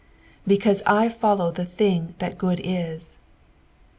" Beeatue I /otiow the thing that goodie."